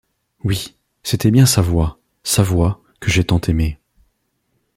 Oui!... c’était bien sa voix... sa voix que j’ai tant aimée !